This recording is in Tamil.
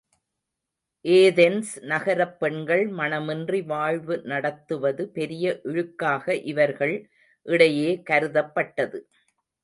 ஏதென்ஸ் நகரப் பெண்கள் மணமின்றி வாழ்வு நடத்துவது பெரிய இழுக்காக இவர்கள் இடையே கருதப்பட்டது.